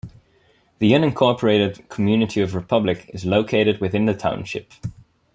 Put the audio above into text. The unincorporated community of Republic is located within the township.